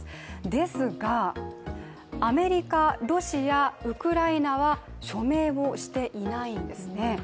ですが、アメリカ、ロシア、ウクライナは署名をしていないんです。